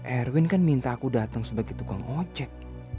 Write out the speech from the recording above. erwin kan minta aku datang sebagai tukang ojek